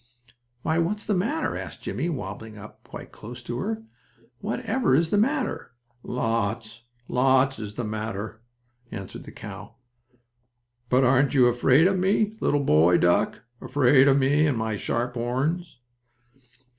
"Why, what's the matter?" asked Jimmie, wobbling up quite close to her. "What ever is the matter?" "Lots and lots is the matter," answered the cow. "But aren't you afraid of me, little boy duck; afraid of me and my sharp horns?"